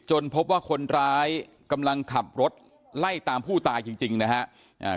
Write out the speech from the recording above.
จนพบว่าคนร้ายกำลังขับรถไล่ตามผู้ตายจริงจริงนะฮะอ่า